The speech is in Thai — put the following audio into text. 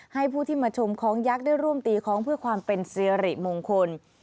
ให้ผู้ที่มาชมคล้องยักษ์ได้ร่วมตีคล้องเพื่อความเป็นสิริมงคล